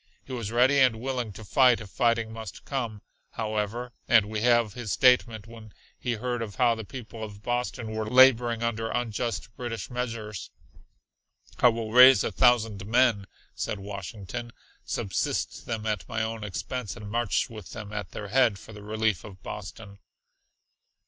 He was ready and willing to fight if fighting must come, however, and we have his statement when he heard of how the people of Boston were laboring under unjust British measures, "I will raise a thousand men," said Washington, "subsist them at my own expense and march with them, at their head, for the relief of Boston."